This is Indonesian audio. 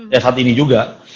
ya saat ini juga